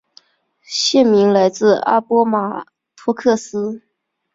县名来自阿波马托克斯河。